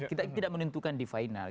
kita tidak menentukan di final